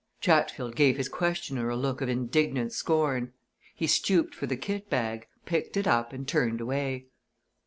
Chatfield gave his questioner a look of indignant scorn. He stooped for the kit bag, picked it up, and turned away.